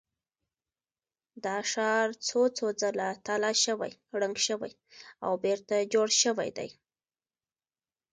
دا ښار څو څو ځله تالا شوی، ړنګ شوی او بېرته جوړ شوی دی.